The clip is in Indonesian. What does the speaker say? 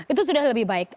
itu sudah lebih baik